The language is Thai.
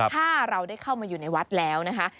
ถ้าเราได้เข้ามาอยู่ในวัดแล้วนะคะ